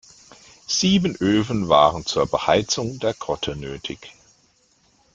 Sieben Öfen waren zur Beheizung der Grotte nötig.